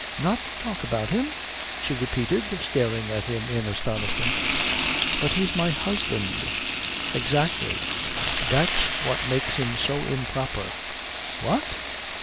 "Not talk about him?" she repeated, staring at him in astonishment. "But he's my husband." "Exactly. That's what makes him so improper." "What?